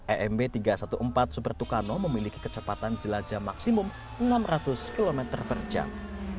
emb tiga ratus empat belas super tucano memiliki kecepatan jelajah maksimum enam ratus km per jam